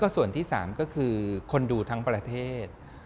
ส่วนที่๓ก็คือคนดูทั้งประเทศ